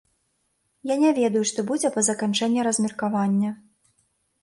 Я не ведаю, што будзе па заканчэнні размеркавання.